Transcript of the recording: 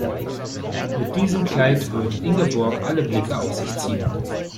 Mit diesem Kleid wird Ingeborg alle Blicke auf sich ziehen.